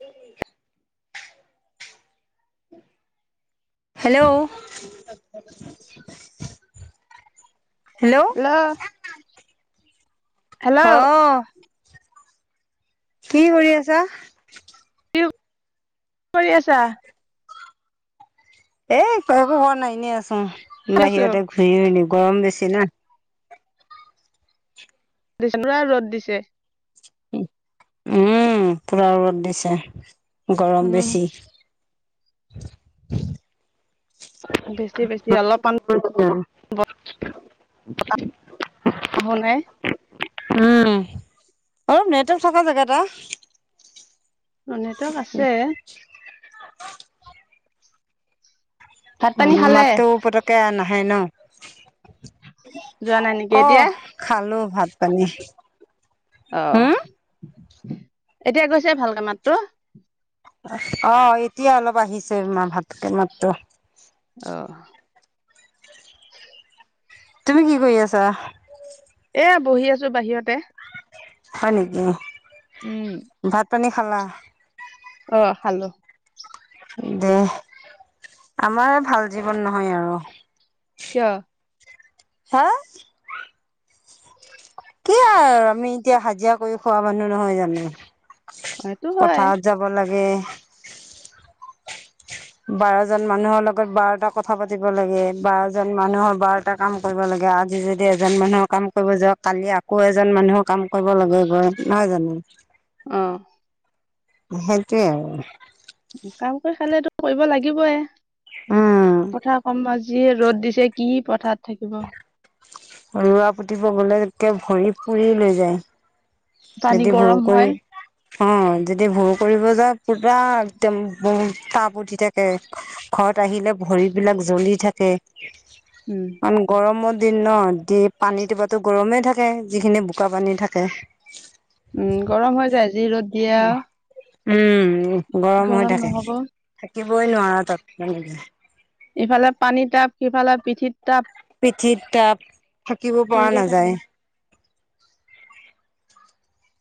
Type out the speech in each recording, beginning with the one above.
[unintelligible] Hello. Hello. হ। Hello কি কৰি আছা? কৰি আছা? এ একো হোৱা নাই এনে আসুং আছো বাহিৰতে ঘূৰি গৰম বেছি না। দি পৰা ৰ'দ দিছে। উম পুৰা ৰত দিছে, গৰম উম বেছি। [unintelligible] বেছি বেছি অলপমান। [unintelligible] অহো নাই। অ নেটক থকা জেগাত আহ। অ নেটৱৰ্ক আছে। ভাত উম পানী মু্ খালে মাতটো পটককে নাহে ন? যোৱা নাই নেকি অ এতিয়া খালো ভাত পানী। অ হম এতিয়া গৈছে ভালকে মাততো? অ এতিয়া অলপ আহিছে। মা ভাতকে মাতো। অহ। তুমি কি কৰি আছা? এ বহি আছো বাহিৰতে। হয় নেকি? উম। ভাত পানী খালা। অ খালো। দে আমাৰ ভাল জীৱন নহয় আৰু কিয়? হা কি আৰু আমি এতিয়া হাজিৰা কৰি খোৱা মানুহ নহয় সেইটো জানো। হয় পথাৰত যাব লাগে। বাৰজন মানুহৰ লগত বাৰটা কথা পাতিব লাগে বাৰজন মানুহৰ বাৰটা কাম কৰিব লাগে। আজি যদি এজন মানুহৰ কাম কৰিব যাও কালি আকৌ এজন মানুহৰ কাম কৰিব লগে গৈ নহয় জানো। আহ সেইটোৱেইে আৰু কাম কৰি খালে টো কৰিব লাগিবই উম পথাৰ কামকাজ। যি ৰ'দ দিছে কি পথাৰ থাকিব। ৰোৱা পুতিব গলে ভৰি পুৰি লৈ যায়। পানী যদি ভোৰ গৰম হয় কৰি। অ যদি ভোৰ কৰিব যায় পুৰা একদম তাপ উঠি থাকে। ঘৰত আহিলে ভৰিবলাক জ্বলি থাকে উম গৰমৰ দিন ন দি পানীটোবাতো গৰমে থাকে। থাকে যিখিনি বোকা পানী থাকে। উম গৰম হৈ যায় আজি ৰ'দ দিয়া। উম গৰম হৈ থাকে থাকিবই নোৱাৰো তাত এনেকে ইফালে পানী টাপ সিফালে পিঠিত। টাপ পিঠিত তাপ থাকিব পৰা পৰিয়ে থাকে নাযায়।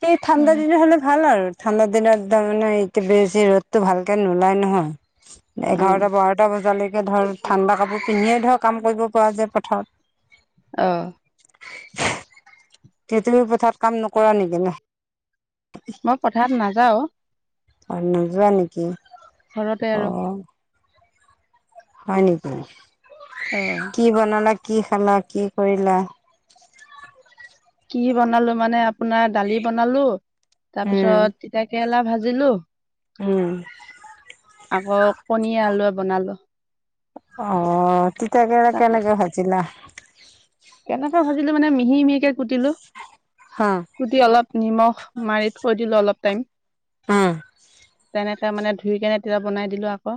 সেই ঠাণ্ডা হয় দিন হলে ভাল আৰু ঠাণ্ডা দিনতদমানে ইটো বেছি ৰ'দতটো ভালকে নোলাই নহয়। উম এঘাৰটা বাৰটা বজালৈকে। নেক ধৰ ঠাণ্ডা কাপোৰ পিন্ধিয়ে ধৰ কাম কৰিব পৰা যায় পথাৰত। আহ। তুমি পথাত কাম নকৰা নেকি নহ্। মই পথাত নাযাওঁ। প নোযোৱা নেকি? ঘৰতে অ আৰু। হয় নেকি অ কি বনালা কি খালা কি কৰিলা। কি বনালো মানে আপোনাৰ দালি বনালো উম তাৰপিছত তিতা। কেৰেলা ভাজিলো। উম। আকৌ কণীয়ে আলুৱে বনালো। অ তিতাকে তাক কেনেকে ভজিলা। কেনেকৈ ভাজিলো মানে মিহি মিহিকে কুটিলো হা কুটি অলপ নিমখ। মাৰি থৈ দিলো অলপ টাইম। উম তেনেকে মানে ধুই কেনে তেতিয়া বনাই দিলো আকৌ।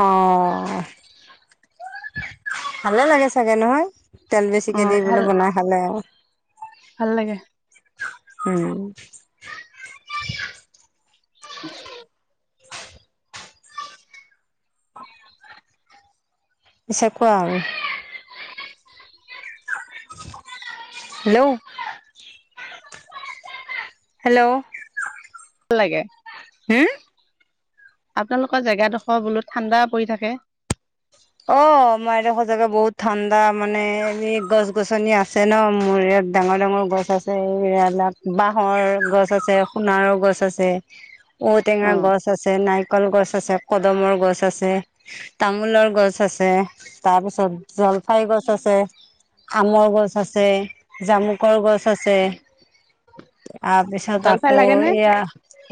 অ ভালে লাগে চাগে নহয় তেল অ বেছিকে দি বোলে ভাল বনাই খালে। ভাল লাগে উম। [unintelligible] পিছে কোৱা আৰু হেল্ল' হেল্ল' ভাল লাগে হম আপোনালোকৰ জেগাডোখৰ বোলো ঠাণ্ডা পৰি থাকে। অ আমাৰ এই দুখৰ জেগা বহুত ঠাণ্ডা মানে এনে গছ গছনি আছে ন মৰে। ডাঙৰ ডাঙৰ গছ আছে এইবিলাক বাঁহৰ গছ আছে সোণাৰৰ গছ আছে। ঔ অ টেঙা গছ আছে নাৰিকল গছ আছে কদমৰ গছ আছে তামোলৰ গছ। গছ আছে তাৰপিছত জলফাই গছ আছে। আমৰ গছ আছে জামুকৰ গছ আছে। তাৰপিছত জলফাই আকৌ লাগে নে এয়া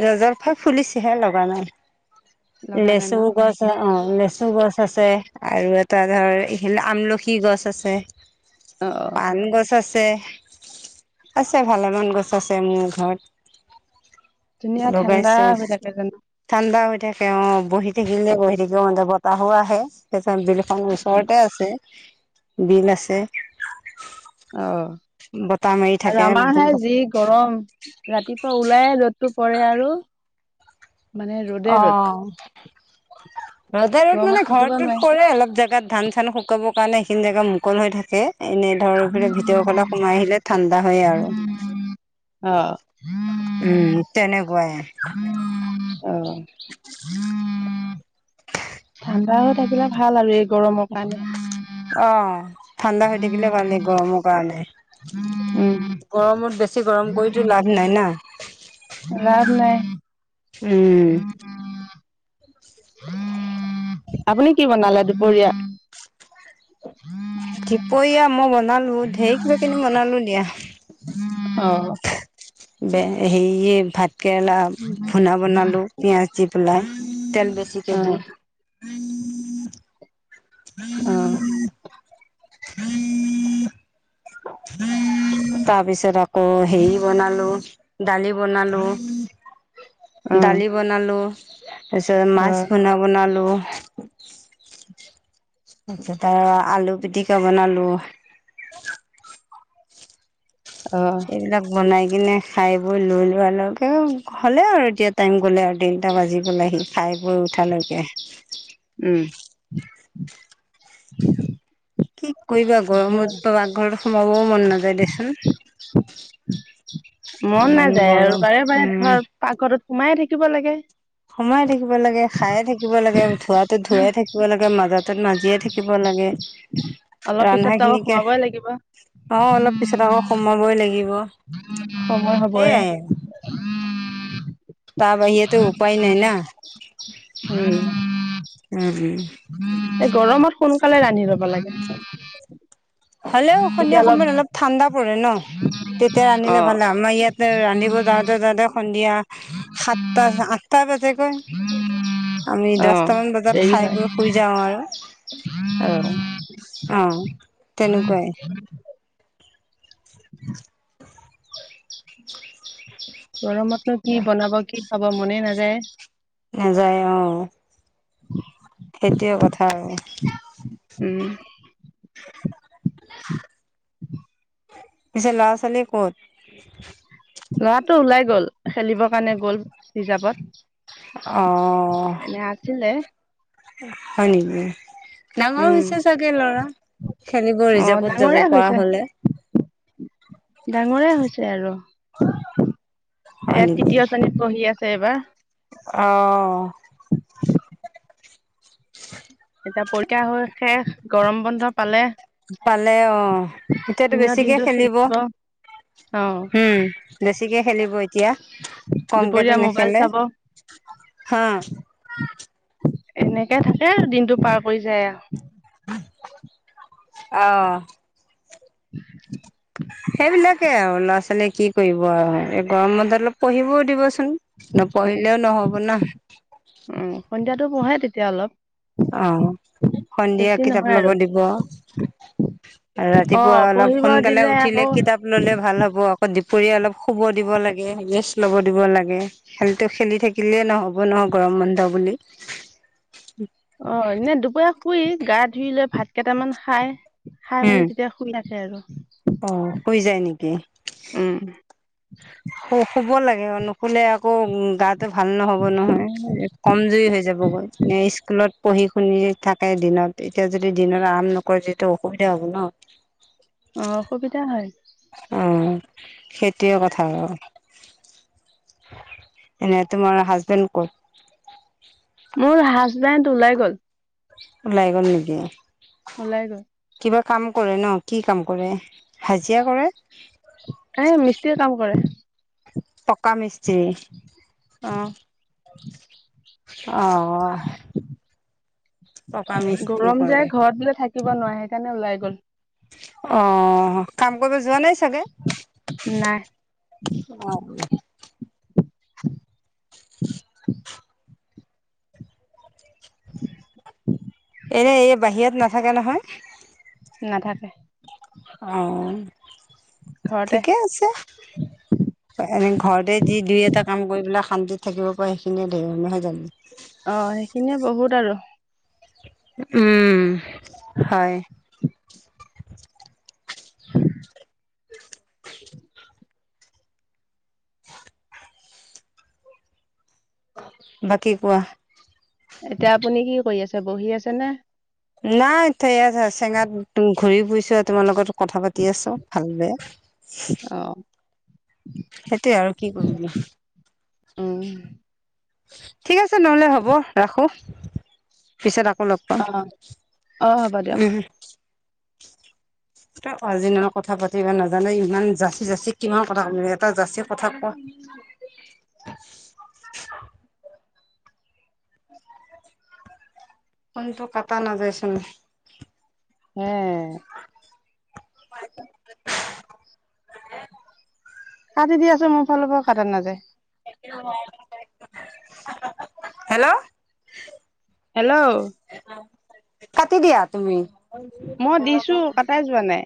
ৰজৰফাই ফুলিছেহে লগা নাই। লগা নাই ন লেচু গছ অ লেচু গছ আছে। আৰু এটা ধৰ এইহিল আমলখি গছ আছে অ অ পান গছ আছে। আছে আছে ভালেমান গছ আছে মোৰ ঘৰত। ধুনীয়া ঠাণ্ডা লগাইছো হৈ থাকে জানো ঠাণ্ডা হৈ থাকে। তেওঁ বহি থাকিলে বহি থাকিবও মন যাব বতাহো আহে তাৰত বিলখন উম ওচৰতে আছে। বিল আছে। আহ। বতাহ মাৰি আৰু থাকে আমাৰ হে যি গৰম ৰাতিপুৱা ওলাই ৰ'দতটো পৰে আৰু আৰু অ ৰজা ৰদ গৰমত মানে থাকিব ঘৰটোত নোৱাৰি কৰে অলপ জেগাত ধান চান শুকাব কাৰণে সেইখিনি জেগা মুকল হৈ থাকে। এনেই ধৰ পে ভিতৰ ক সোমাই আহিলে ঠাণ্ডা হয় আৰু অ উম তেনে উ অ [unintelligible] উ ঠাণ্ডা হৈ থাকিলে ভাল আৰু গৰমৰ কাৰণে অ ঠাণ্ডা হৈ থাকিলে ভাল গৰমৰ কাৰণে উম গৰমত বেছি গৰম কৰিতো লাভ নাই না লাভ নাই উম, আপুনি কি বনালে দুপৰীয়া দপৰীয়া মই বনালো ঢেৰ কিবা কিনি বনালো দিয়া অ হেৰিয়ে ভাত কেৰেলা ভূনা বনালো পিয়াঁজ দি পলাই তেল বেছিকে অ দি উ উম অ হম তাৰ পিছত আকৌ হেৰি বনালো দালি বনালো অ দালি বনালো তাৰ পিছত অ মাছ পোনা বনালো তাৰিত আৰু আলু পিটিকা বনালো অ এইবিলাক বনাই স কিনে খাই বৈ লৈ লোৱাৰ লগকে হ'লে আৰু এতিয়া টাইম গ'লে আৰু তিনিটা বাজি গ'লে সি খাই গৈ উঠালৈকে উম কি কৰিবা গৰমত পাকঘৰত সোমাবও মন নাযায় দেচোন মন ইমান গৰম উম সোমাইে থাকিব লাগে সোমাই থাকিব লাগে খায়ে থাকিব লাগে ধৱটোত ধোৱে থাকিব লাগে মাজাত মাজিয়ে থাকিব লাগে [inaudible] অলপ ৰন্ধা পিছত আকৌ খিনিকে সোমাবই লাগিব অ অলপ পিছত আকৌ সময়াবই লাগিব সময় হবয়ে। সেইয়াই তাৰ বাহিয়েটো উপায় নাই না, উম উম উম গৰমত সোনকালে ৰান্ধি লব লাগে। হ'লেও সন্ধিয়া সময়ত অলপ ঠাণ্ডা পৰে ন তেতিয়া ৰান্ধিলে অ', ভাল আমাৰ ইয়তে ৰান্ধিব যাওঁতে যাওঁতে সন্ধিয়া সাতটা আঠটা বাজ গৈ। আমি অ'। দশটামান বজাত দেৰি খাই হয় বৈ শুই যাওঁ আৰু। অ অ তেনেকুৱাই [unintelligible] গৰমতনো কি বনাব কি খাব মনে নাযায়। নযায় অহ [unintelligible] সেইটোৱয়ে কথা আৰু উম পিছে লৰা ছোৱালী ক'ত? ল'ৰাটো ওলাই গ'ল খেলিব কাৰণে গ'ল হিচাপত অ আছিলে হয় নেকি। ডাঙৰ উম। হৈছে চাগে লৰা খেলিব অ', ৰিজাভত যাব ডাঙৰে পৰা হৈছে হলে। ডাঙৰে হৈছে আৰু হয় এ নেকি তৃতীয় শ্ৰেণীত পঢ়ি আছে এইবাৰ। অঁ [unintelligible] এতিয়া পৰীক্ষা হৈ শেষ গৰম বন্ধ পালে। পালে অ এতিয়াতো দিনৰ বেছিকে দিনটো খেলিব? অ', উম বেছিকে খেলিব। এতিয়া কমকেতো দুপৰীয়া মোবাইল নেখেলে চাব। হা এনেকে থাকে আৰু দিনতটো পাৰ কৰি যায় আও। আহ [unintelligible] সেইবিলাকে আৰু ল'ৰা ছোৱালীয়ে কি কৰিব আৰু এই গৰম বন্ধত অলপ পঢ়িবও দিবচোন। নপঢ়িলেও নহব না। টো পঢ়ে তেতিয়া অলপ আহ সন্ধিয়া বেছি কিতাপ নহয় ল'ব আৰু দিব। আৰু অ ৰাতিপুৱা অলপ পঢ়িব সোনকালে দিলে উঠিলে আকৌ কিতাপ ললে ভাল হব। দুপৰীয়া অলপ শুব দিব লাগে ৰেষ্ট ল'ব দিব লাগে খেলটো খেলি থাকিলে নহ'ব নহয়। গৰম বন্ধ বুলি। অ এনে দুপৰীয়া শুই গা ধুই লৈ ভাত কেইটামান খাই খাই উম মেলি তেতিয়া শুই থাকে। হে আৰু অ শুই যায় নেকি? উম হু শুব লাগে। নুশুলে আকৌ গাটো ভাল নহ'ব নহয় কমজুৰি হৈ যাবগৈ স্কুল লত পঢ়ি শুনি থাকে দিনত এতিয়া যদি দিনত আৰাম নকৰে তেয়া অসুবিধা হ'ব ন। অ অসুবিধা হয়। অ সেইটোৱে কথা আৰু এনে তোমাৰ হাজবেণ্ড কত? মোৰ হাজবেণ্ড ওলাই গ'ল। ওলাই গ'ল নেকি। ওলাই গ'ল কিবা কাম কৰে ন কি কাম কৰে? হাজিৰা কৰে এ মিস্ত্ৰীয়ে কাম কৰে। পকা মিস্ত্ৰী। অ অ পকা মিস্ত্ৰী কৰে। কিব নোৱাৰে সেইকাৰণে ওলাই গ'ল। অ কাম কৰিব যোৱা নাই। চাগে নাই অ [inaudible] এনে এই বাহিৰত নাথাকে নহয়। নাথাকে। আৰু ঘৰতে ঠিকে আছে এনে ঘৰতে যি দুই এটা কাম কৰি পেলাক শান্তিত থাকিব পৰা সেইখিনিয়ে দিয়ে নহয় জানো অ সেইখিনিয়ে বহুত আৰু উম হয় বাকী কোৱা এতিয়া আপুনি কি কৰি আছে বহি আছে নে নাই চেঙাত ঘূৰি ফুৰিছো আৰু তোমাৰ লগত কথা পাতি আছো ভাল বে আহ সেইটোৱে আৰু কি কৰিবলো। উম ঠিক আছে নহলে হ'ব ৰাখো পিছত আ অলপ পাম অ অ হ'ব দিয়ক উম। তই আজি নলে কথা পাতিবা নাজানো ইমান জা জা কিমান কথা ক এটা জাত কথা কোৱা। উ কোনটো কথা নাযায় চুন উম [inaudible] কাটি দি আছো মোৰ ফালৰ পৰাও কাটা নাযায়। হেল্ল'। হেল্ল'। কাটি দিয়া তুমি। মই দিছো কটাই যোৱা নাই।